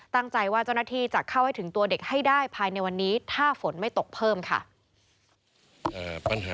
ตั้งใจว่าเจ้าหน้าที่จะเข้าให้ถึงตัวเด็กให้ได้ภายในวันนี้ถ้าฝนไม่ตกเพิ่มค่ะ